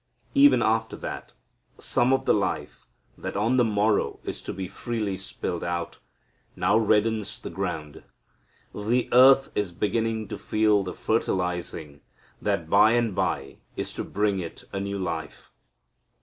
Even after that, some of the life, that on the morrow is to be freely spilled out, now reddens the ground. The earth is beginning to feel the fertilizing that by and by is to bring it a new life.